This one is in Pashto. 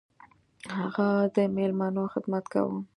هغه د میلمنو خدمت کاوه.